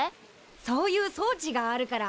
そういう装置があるから。